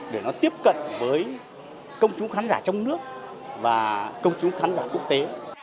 để nó tiếp cận với công chú khán giả trong nước và công chú khán giả quốc tế